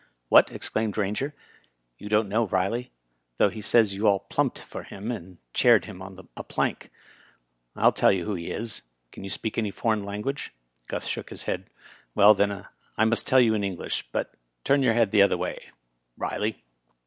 "What!" exclaimed Eainger, "you don't know Biley; though he says you all plumped for him and chaired him on a plank. FU tell you who he is. Can yon speak any foreign language?" Gus shook his head. "Well, then, I must tell you in English, but turn your head the other way. Riley